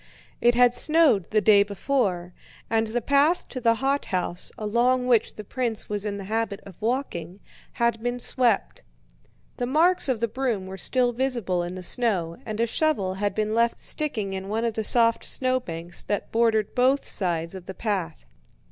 It had snowed the day before and the path to the hothouse, along which the prince was in the habit of walking, had been swept: the marks of the broom were still visible in the snow and a shovel had been left sticking in one of the soft snowbanks that bordered both sides of the path.